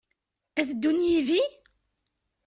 Ad d-ddun yid-i?